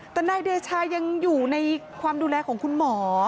แต่นายเดชายังอยู่ในความดูแลของคุณหมอ